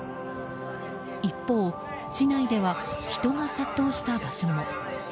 一方、市内では人が殺到した場所も。